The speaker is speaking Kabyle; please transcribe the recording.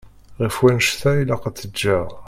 Ɣef wannect-a ilaq ad tt-ǧǧeɣ.